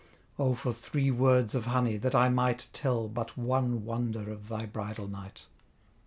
O for three words of honey, that I might Tell but one wonder of thy bridal night!